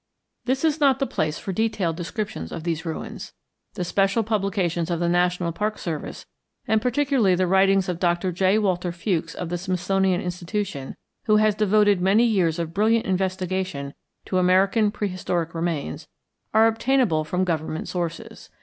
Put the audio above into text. This is not the place for detailed descriptions of these ruins. The special publications of the National Park Service and particularly the writings of Doctor J. Walter Fewkes of the Smithsonian Institution, who has devoted many years of brilliant investigation to American prehistoric remains, are obtainable from government sources.